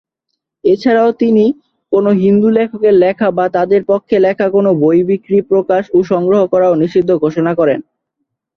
এছাড়াও তিনি, কোন হিন্দু লেখকের লেখা বা তাদের পক্ষে লেখা কোন বই বিক্রি, প্রকাশ ও সংগ্রহ করাও নিষিদ্ধ ঘোষণা করেন।